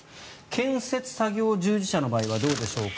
建設作業従事者の場合はどうでしょうか。